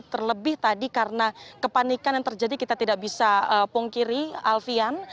terlebih tadi karena kepanikan yang terjadi kita tidak bisa pungkiri alfian